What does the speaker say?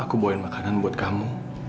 aku bawain makanan buat kamu